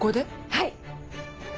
はい！